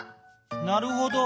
なるほど。